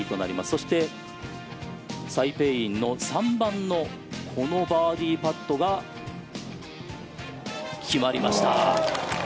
そして、サイ・ペイインの３番のこのバーディーパットが決まりました。